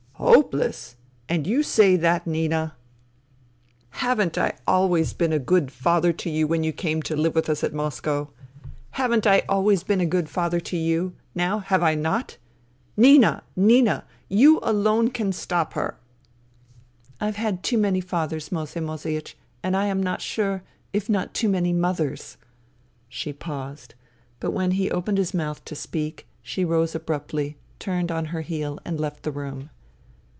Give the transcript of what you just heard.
" Hopeless ? And you say that, Nina. Haven't 48 FUTILITY I always been a good father to you when you came to hve with us at Moscow ? Haven't I always been a good father to you ? Now, have I not ? Nina, Nina 1 You alone can stop her." " I've had too many fathers, Moesei Moeseiech, and I am not sure, if not too many mothers.'* She paused. But when he opened his mouth to speak, she rose abruptly, turned on her heel and left the room.